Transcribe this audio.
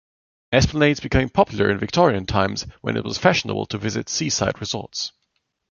Esplanades became popular in Victorian times when it was fashionable to visit seaside resorts.